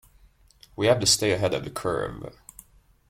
We have to stay ahead of the curve.